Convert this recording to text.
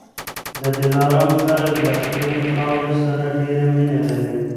د دلارام خلک له خپلي خاورې سره ډېره مینه لري